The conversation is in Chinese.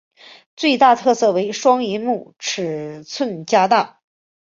最大特色为双萤幕尺寸加大。